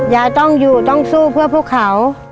ยายต้องอยู่ต้องสู้เพื่อพวกเขา